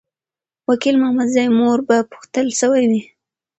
وکیل محمدزی مور به پوښتل سوې وي.